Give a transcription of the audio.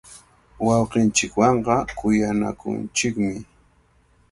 Wawqinchikwanqa kuyanakunanchikmi.